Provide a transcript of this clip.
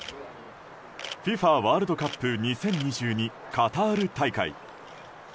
ワールドカップ２０２２カタール大会。